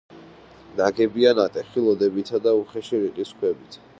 ნაგებია ნატეხი ლოდებითა და უხეში რიყის ქვით.